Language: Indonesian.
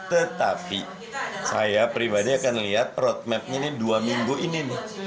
tetapi saya pribadi akan lihat roadmapnya ini dua minggu ini